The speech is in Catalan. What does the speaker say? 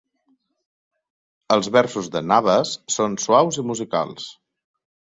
Els versos de Nabbes són suaus i musicals.